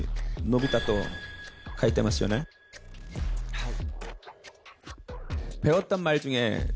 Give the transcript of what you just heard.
はい。